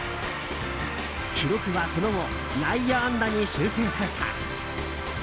記録はその後内野安打に修正された。